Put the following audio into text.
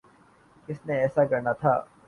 کس نے ایسا کرنا تھا؟